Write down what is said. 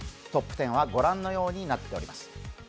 トップ１０は御覧のようになっております。